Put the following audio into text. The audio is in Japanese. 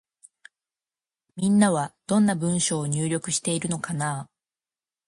みんなは、どんな文章を入力しているのかなぁ。